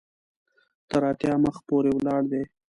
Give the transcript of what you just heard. تر اتیا مخ پورې ولاړ دی.